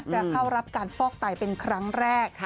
จะเข้ารับการฟอกไตเป็นครั้งแรก